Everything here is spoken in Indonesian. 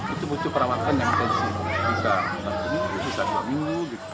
itu butuh perawatan yang intensif bisa satu minggu bisa dua minggu